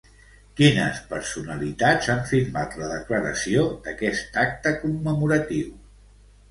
Quines personalitats han firmat la declaració d'aquest acte commemoratiu?